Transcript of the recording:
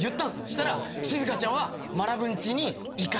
そしたらしずかちゃんは。